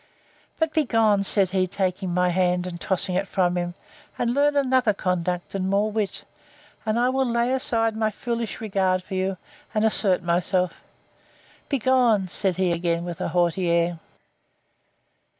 But, begone! said he, taking my hand, and tossing it from him, and learn another conduct and more wit; and I will lay aside my foolish regard for you, and assert myself. Begone! said he, again, with a haughty air.